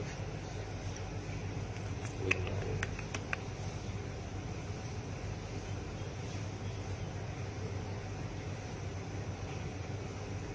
ติดลูกคลุม